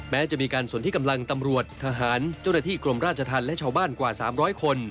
แม้จะมีการสนที่กำลังตำรวจทหารเจ้าหน้าที่กรมราชธรรมและชาวบ้านกว่า๓๐๐คน